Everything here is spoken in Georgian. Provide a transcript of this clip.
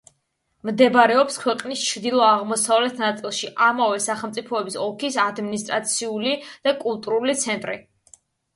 მდებარეობს ქვეყნის ჩრდილო-აღმოსავლეთ ნაწილში, ამავე სახელწოდების ოლქის ადმინისტრაციული და კულტურული ცენტრი.